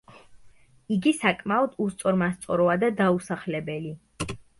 იგი საკმაოდ უსწორმასწოროა და დაუსახლებელი.